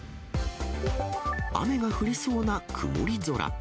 雨が降りそうな曇り空。